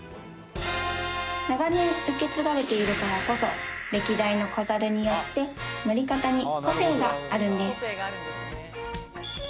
長年受け継がれているからこそ歴代の子ザルによって乗り方に個性があるんです